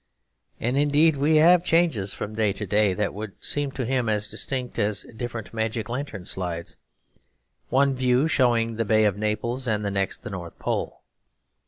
And indeed we have changes from day to day that would seem to him as distinct as different magic lantern slides; one view showing the Bay of Naples and the next the North Pole.